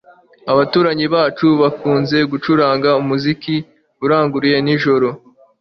Abaturanyi bacu bakunze gucuranga umuziki uranguruye nijoro.